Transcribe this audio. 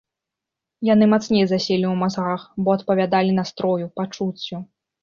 Яны мацней заселі ў мазгах, бо адпавядалі настрою, пачуццю.